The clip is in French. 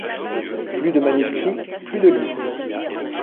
Plus de manuscrits, plus de livres !